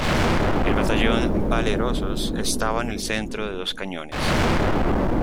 El batallón Valerosos estaba en el centro con dos cañones.